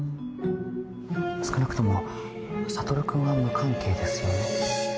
少なくとも悟君は無関係ですよね？